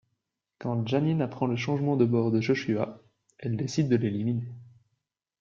Quand Janine apprend le changement de bord de Joshua, elle décide de l'éliminer.